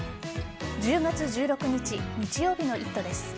１０月１６日日曜日の「イット！」です。